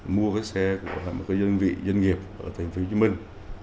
mua cái xe của một dân vị dân nghiệp ở thành phố hồ chí minh